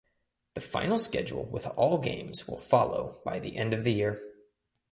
The final schedule with all games will follow by the end of the year.